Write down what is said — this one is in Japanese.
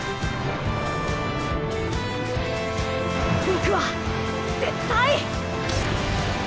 僕は絶対！